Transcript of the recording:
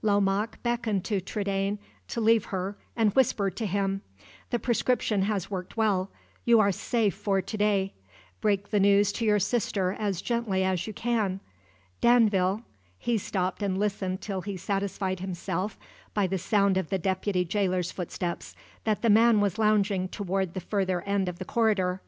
Lomaque beckoned to Trudaine to leave her, and whispered to him: "The prescription has worked well. You are safe for to day. Break the news to your sister as gently as you can. Danville " He stopped and listened till he satisfied himself, by the sound of the deputy jailer's footsteps, that the man was lounging toward the further end of the corridor.